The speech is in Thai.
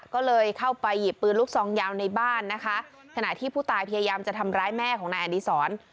ก็เลยเข้าไปหยิบปืนลูกซองยาวในบ้านนะคะขณะที่ผู้ตายพยายามจะทำร้ายแม่ของนายอดีศร